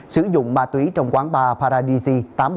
sử dụng ma tủy trong quán bar paradisi